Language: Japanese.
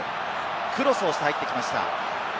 クロスをして入ってきました。